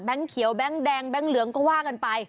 เขียวแบงค์แดงแบงค์เหลืองก็ว่ากันไป